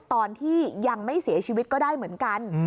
ตอนที่ยังไม่เสียชีวิตก็ได้เหมือนกัน